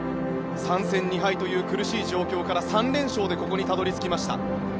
３戦２敗という苦しい状況から３連勝でここにたどり着きました。